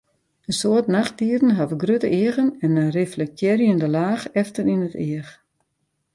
In soad nachtdieren hawwe grutte eagen en in reflektearjende laach efter yn it each.